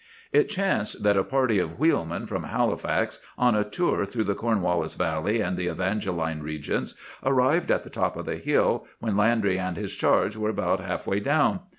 "It chanced that a party of wheelmen from Halifax, on a tour through the Cornwallis valley and the Evangeline regions, arrived at the top of the hill when Landry and his charge were about half way down.